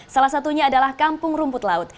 salah satunya adalah kampung rumput laut